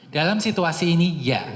dalam situasi ini ya